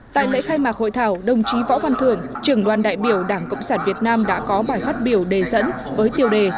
tại lễ khai mạc hội thảo đồng chí võ văn thưởng trưởng đoàn đại biểu đảng cộng sản việt nam đã có bài phát biểu đề dẫn với tiêu đề